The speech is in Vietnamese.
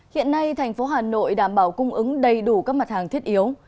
hiện nay thành phố hà nội đảm bảo cung ứng đầy đủ các mặt hàng thiết yếu